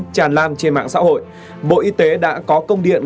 tràn lan trên mạng xã hội bộ y tế đã có công điện